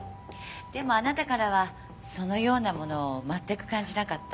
でもあなたからはそのようなものを全く感じなかった。